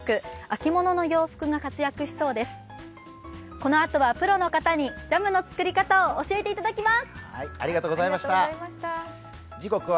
このあとはプロの方にジャムの作り方を教えてもらいます。